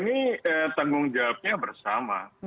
ini tanggung jawabnya bersama